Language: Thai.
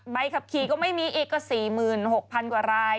ใบขับขี่ก็ไม่มีอีกก็๔๖๐๐๐กว่าราย